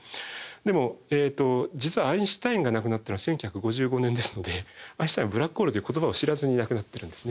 でも実はアインシュタインが亡くなったのは１９５５年ですのでアインシュタインはブラックホールという言葉を知らずに亡くなってるんですね。